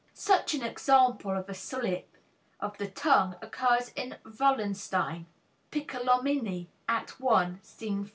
Such an example of a slip of the tongue occurs in Wallenstein (Piccolomini, Act 1, Scene 5).